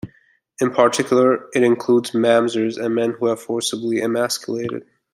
In particular, it excludes "mamzers", and men who have been forcibly emasculated.